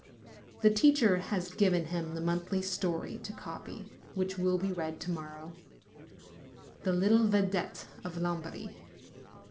The teacher has given him the monthly story to copy, which will be read to morrow, The Little Vidette of Lombardy.